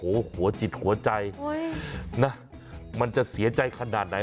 โอ้โหหัวจิตหัวใจนะมันจะเสียใจขนาดไหน